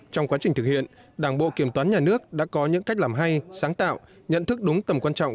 trong quá trình thực hiện đảng bộ kiểm toán nhà nước đã có những cách làm hay sáng tạo nhận thức đúng tầm quan trọng